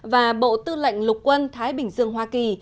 và bộ tư lệnh lục quân thái bình dương hoa kỳ